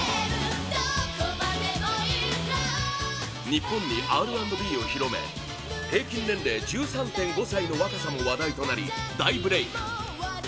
日本にＲ＆Ｂを広め平均年齢１３．５歳の若さも話題となり大ブレーク！